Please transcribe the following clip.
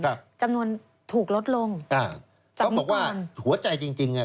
ครับจำนวนถูกลดลงอ่าเขาบอกว่าหัวใจจริงจริงอ่ะ